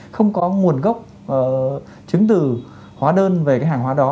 không có nguồn gốc chứng từ hóa đơn về cái hàng hóa đó